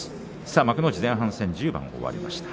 幕内前半戦１０番終わりました。